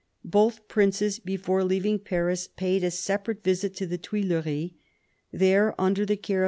Both princes, before leaving Paris, paid a separate visit to the Tuileries. There, under the care of M.